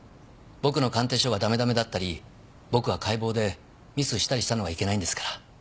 僕の鑑定書がダメダメだったり僕が解剖でミスしたりしたのがいけないんですから。